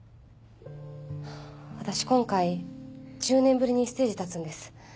私今回１０年ぶりにステージ立つんです。